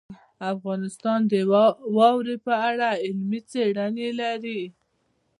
افغانستان د واوره په اړه علمي څېړنې لري.